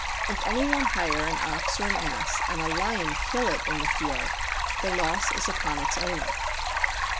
If any one hire an ox or an ass, and a lion kill it in the field, the loss is upon its owner.